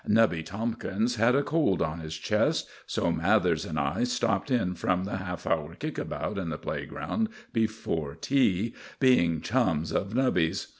"Nubby" Tomkins had a cold on his chest, so Mathers and I stopped in from the half hour "kick about" in the playground before tea, being chums of Nubby's.